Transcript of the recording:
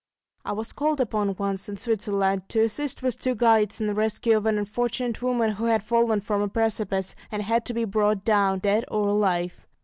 I was called upon once in Switzerland to assist with two guides in the rescue of an unfortunate woman who had fallen from a precipice, and had to be brought down, dead or alive.